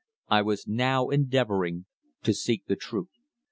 I was now endeavouring to seek the truth.